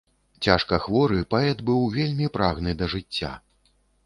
Цяжка хворы, паэт быў вельмі прагны да жыцця.